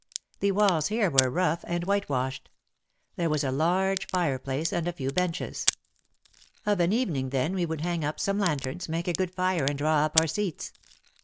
The walls here were rough and whitewashed. There was a large fireplace and a few benches. Of an evening then we would hang up some lanterns, make a good fire and draw up our seats.